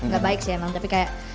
gak baik sih emang tapi kayak